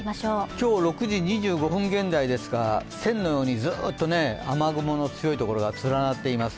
今日午後６時２５分現在ですが、線のようにずっと雨雲の強いところが連なっています。